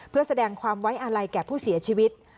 เพื่อแสดงความไว้อาลัยแก่ผู้เสียชีวิต